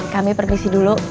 kami pergi sih dulu